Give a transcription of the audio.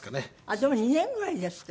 でも２年ぐらいですか？